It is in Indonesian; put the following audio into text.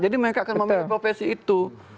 jadi mereka akan memilih profesi itu